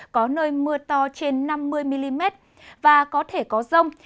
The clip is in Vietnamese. có nơi mưa to trên năm mươi mm và có thể có rông